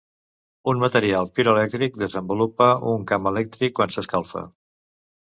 Un material piroelèctric desenvolupa un camp elèctric quan s'escalfa.